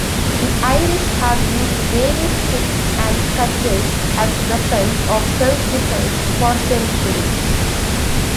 The Irish have used various sticks and cudgels as weapons of self-defence for centuries.